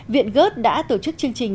viện gớt đã tổ chức chương trình